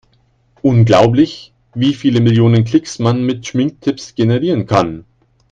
Unglaublich, wie viele Millionen Klicks man mit Schminktipps generieren kann!